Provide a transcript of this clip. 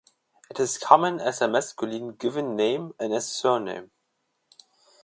It is common as a masculine given name and as a surname.